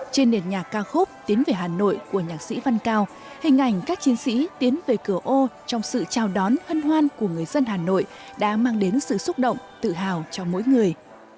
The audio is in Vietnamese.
trên nền nhạc ca khúc tiến về hà nội của nhạc sĩ văn cao hình ảnh các chiến sĩ tiến về cửa ô trong sự chào đón hân hoan của người dân hà nội đã mang đến sự xúc động tự hào cho mỗi người